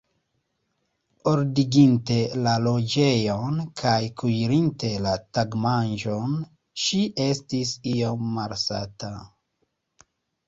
Ordiginte la loĝejon kaj kuirinte la tagmanĝon, ŝi estis iom malsata.